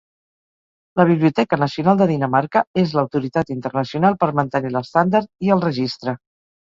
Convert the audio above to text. La Biblioteca Nacional de Dinamarca és l'autoritat internacional per mantenir l'estàndard i el registre.